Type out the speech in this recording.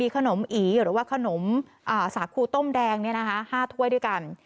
ขนมอีหรือว่าขนมสาคูต้มแดง๕ถ้วยด้วยกัน